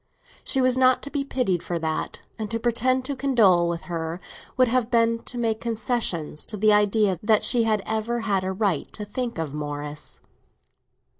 She was not to be pitied for that, and to pretend to condole with her would have been to make concessions to the idea that she had ever had a right to think of Morris.